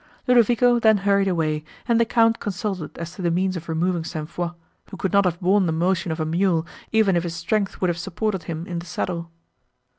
Ludovico then hurried away, and the Count consulted as to the means of removing St. Foix, who could not have borne the motion of a mule, even if his strength would have supported him in the saddle.